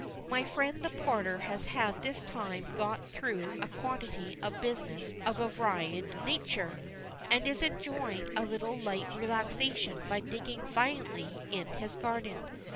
My friend the porter has by this time got through a quantity of business of a varied nature, and is enjoying a little light relaxation by digging violently in his garden.